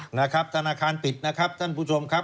นะครับธนาคารปิดนะครับท่านผู้ชมครับ